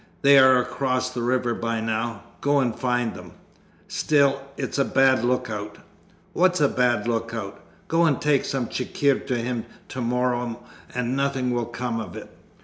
'They are across the river by now. Go and find them!' 'Still it's a bad lookout.' 'What's a bad lookout? Go and take some chikhir to him to morrow and nothing will come of it.